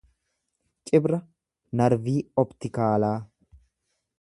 Cibra narvii optikaalaa